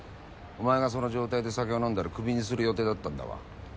お前がその状態で酒を飲んだらクビにする予定だったんだわ。